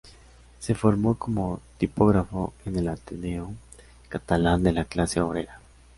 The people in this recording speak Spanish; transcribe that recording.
Se formó como tipógrafo en el Ateneo Catalán de la Clase Obrera.